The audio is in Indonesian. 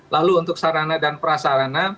lalu untuk sarana dan prasarana